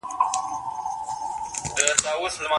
موږ د سياست په اړه نوې پوښتنې کوو.